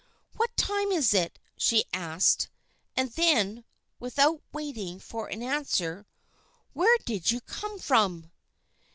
"What time is it?" she asked; and then, without waiting for an answer, "Where did you come from?"